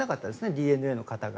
ＤＮＡの型が。